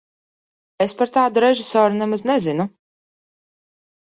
Es par tādu režisoru nemaz nezinu.